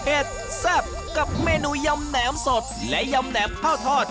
แซ่บกับเมนูยำแหนมสดและยำแหนมข้าวทอด